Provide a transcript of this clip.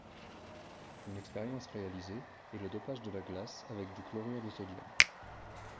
Une expérience réalisée est le dopage de la glace avec du NaCl.